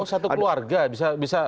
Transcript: oh satu keluarga